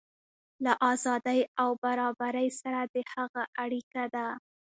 له ازادۍ او برابرۍ سره د هغه اړیکه ده.